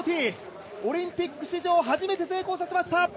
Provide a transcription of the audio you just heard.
オリンピック史上初めて成功させました！